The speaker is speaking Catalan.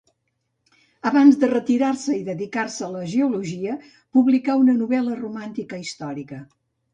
Abans de retirar-se i dedicar-se a la geologia, publicà una novel·la romàntica històrica.